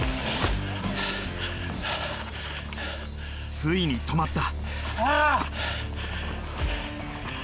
ついに止まった。